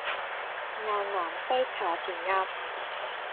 雁南飛茶田鴨